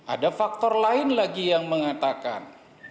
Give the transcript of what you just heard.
ada faktor lain lagi yang mengatakan